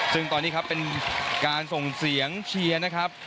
ซึ่งตอนนี้ครับเป็นการส่งเสียงเชียร์นะครับ